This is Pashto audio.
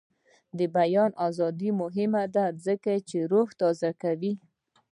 د بیان ازادي مهمه ده ځکه چې روح تازه کوي.